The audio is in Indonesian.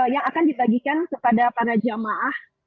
yang akan dibagikan kepada para jamaah